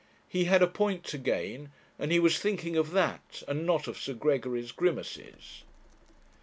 He had a point to gain, and he was thinking of that, and not of Sir Gregory's grimaces.